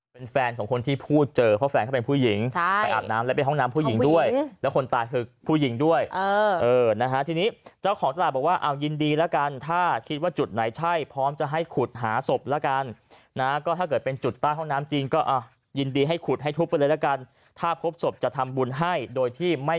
เป็นแฟนของคนที่พูดเจอเพราะแฟนเขาเป็นผู้หญิงไปอาบน้ำแล้วไปห้องน้ำผู้หญิงด้วยแล้วคนตายคือผู้หญิงด้วยนะฮะทีนี้เจ้าของตลาดบอกว่าเอายินดีแล้วกันถ้าคิดว่าจุดไหนใช่พร้อมจะให้ขุดหาศพแล้วกันนะก็ถ้าเกิดเป็นจุดใต้ห้องน้ำจริงก็ยินดีให้ขุดให้ทุบไปเลยละกันถ้าพบศพจะทำบุญให้โดยที่ไม่